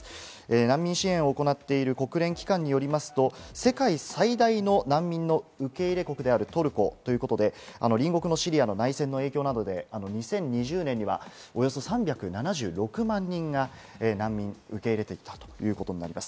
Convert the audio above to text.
難民支援を行っている国連機関によりますと、世界最大の難民の受け入れ国であるトルコということで、隣国・シリアの内戦の影響などで、２０２０年にはおよそ３７６万人の難民を受け入れてきたということです。